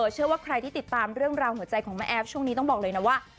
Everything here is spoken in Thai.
เชื่อว่าใครที่ติดตามเรื่องราวหัวใจของแม่แอฟช่วงนี้ต้องบอกเลยนะว่า